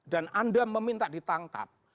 dan anda meminta ditangkap